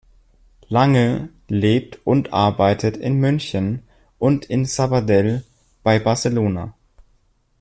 Lange lebt und arbeitet in München und in Sabadell bei Barcelona.